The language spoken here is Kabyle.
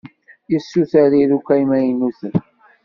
Yessuter iruka imaynuten.